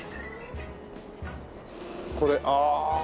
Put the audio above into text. これああ。